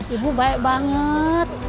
ibu baik banget